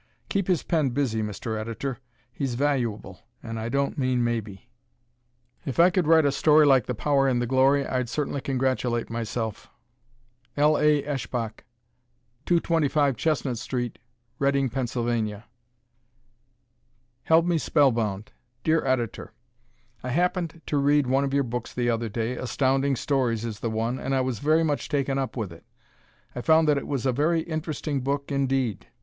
Keep his pen busy, Mr. Editor; he's valuable an' I don't mean maybe! If I could write a story like "The Power and the Glory," I'd certainly congratulate myself! L. A. Eshbach, 225 Chestnut St., Reading, Pa. "Held Me Spellbound" Dear Editor: I happened to read one of your books the other day Astounding Stories is the one and I was very much taken up with it. I found that it was a very interesting book, indeed.